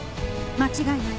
間違いない。